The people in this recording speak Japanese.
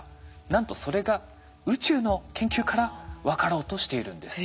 なんとそれが宇宙の研究から分かろうとしているんです。